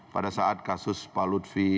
pada saat kasus pak lutfi